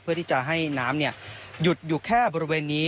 เพื่อที่จะให้น้ำหยุดอยู่แค่บริเวณนี้